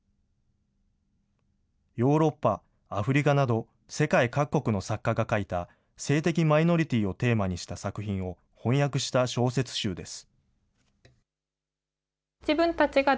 ヨーロッパ、アフリカなど世界各国の作家が書いた、性的マイノリティをテーマにした作品を翻訳した小説集です。